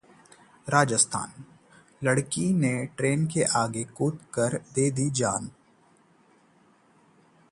राजस्थानः लड़की ने ट्रेन के आगे कूदकर दे दी जान